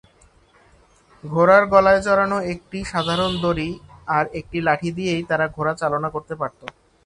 ঘোড়ার গলায় জড়ানো একটি সাধারণ দড়ি আর একটি লাঠি দিয়েই তারা ঘোড়া চালনা করতে পারত।